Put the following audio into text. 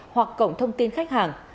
hoặc cổng thông tin khách hàng